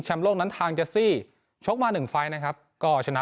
โลกนั้นทางเจสซี่ชกมาหนึ่งไฟล์นะครับก็ชนะ